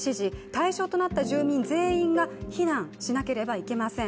対象となった住民全員が避難しなければいけません。